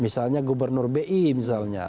misalnya gubernur bi misalnya